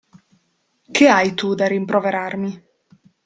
Che hai tu da rimproverarmi?